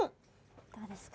どうですか？